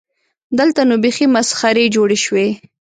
دلته نو بیخي مسخرې جوړې شوې.